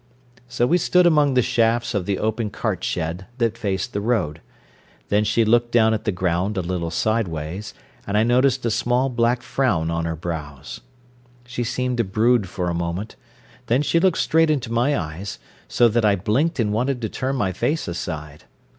So we stood among the shafts of the open cart shed, that faced the road. Then she looked down at the ground, a little sideways, and I noticed a small black frown on her brows. She seemed to brood for a moment. Then she looked straight into my eyes, so that I blinked and wanted to turn my face aside.